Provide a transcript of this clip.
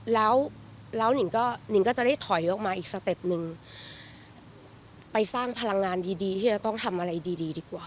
แล้วแล้วนิงก็นิงก็จะได้ถอยออกมาอีกสเต็ปหนึ่งไปสร้างพลังงานดีดีที่จะต้องทำอะไรดีดีกว่า